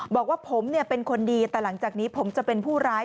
บอกว่าผมเป็นคนดีแต่หลังจากนี้ผมจะเป็นผู้ร้าย